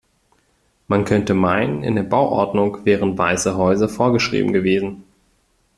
Man könnte meinen in der Bauordnung wären weiße Häuser vorgeschrieben gewesen.